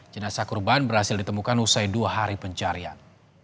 jenazah korban berhasil ditemukan usai dua hari pencarian